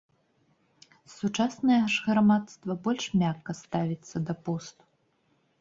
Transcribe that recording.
Сучаснае ж грамадства больш мякка ставіцца да посту.